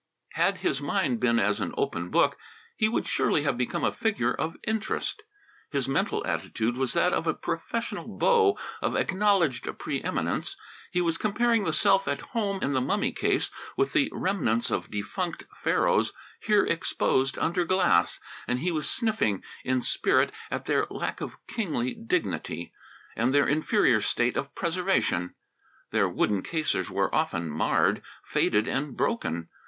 Had his mind been as an open book, he would surely have become a figure of interest. His mental attitude was that of a professional beau of acknowledged preeminence; he was comparing the self at home in the mummy case with the remnants of defunct Pharaohs here exposed under glass, and he was sniffing, in spirit, at their lack of kingly dignity and their inferior state of preservation. Their wooden cases were often marred, faded, and broken.